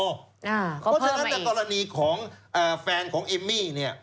เพราะฉะนั้นแต่กรณีของแฟนของเอมมี่